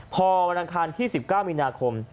พอวันทางที่๑๙มีนาคม